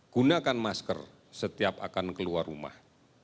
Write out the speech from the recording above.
gunakan masker setiap akan keluar rumah